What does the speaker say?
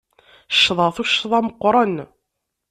Ccḍeɣ tuccḍa meqqren.